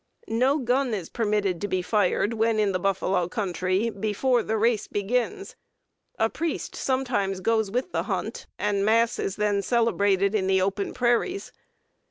No gun is permitted to be fired when in the buffalo country before the 'race' begins. A priest sometimes goes with the hunt, and mass is then celebrated in the open prairies.